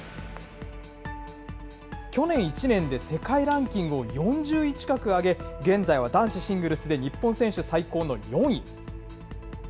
去年１年で世界ランキングを４０位近く上げ、現在は男子シングルスで日本選手最高の４位。